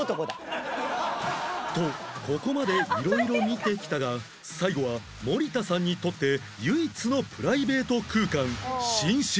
とここまで色々見てきたが最後は森田さんにとって唯一のプライベート空間寝室